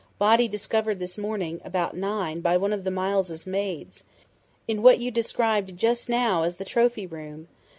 "Body discovered this morning about nine by one of the Miles' maids, in what you described just now as the 'trophy room'....